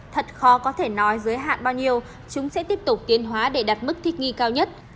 thật khó có thể nói giới hạn bao nhiêu chúng sẽ tiếp tục tiến hóa để đạt mức thích nghi cao nhất